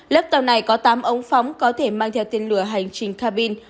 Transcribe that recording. lớp tàu này có tám ống phóng có thể mang theo tên lửa hành trình cabin